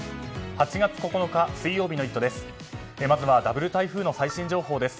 ８月９日、水曜日の「イット！」です。